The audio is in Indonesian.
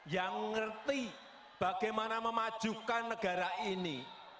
yang ngerti bagaimana memajukan negara ini